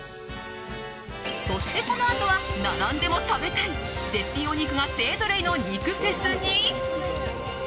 そして、このあとは並んでも食べたい絶品お肉が勢ぞろいの肉フェスに。